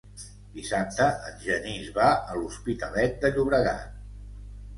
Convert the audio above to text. Dissabte en Genís va a l'Hospitalet de Llobregat.